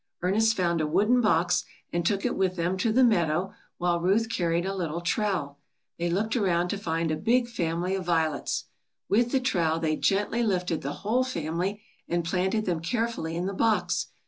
^' Ernest found a wooden box and took it with them to the meadow while Ruth carried a little trowel. They looked around to find a big family of violets. With the trowel they gently lifted the whole family and planted them carefully in the box.